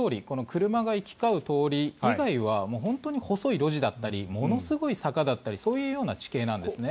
車が行き交う通り以外は本当に細い路地だったりものすごい坂だったりそういう地形なんですね。